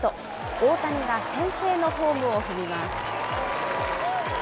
大谷は先制のホームを踏みます。